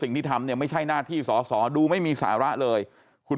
สิ่งที่ทำไม่ใช่หน้าที่สสอดูไม่เหมือนมีศาละเลยคุณ